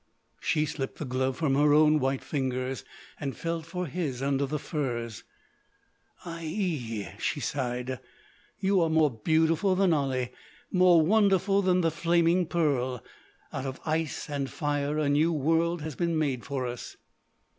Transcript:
She slipped the glove from her own white fingers and felt for his under the furs. "Aie," she sighed, "you are more beautiful than Ali; more wonderful than the Flaming Pearl. Out of ice and fire a new world has been made for us."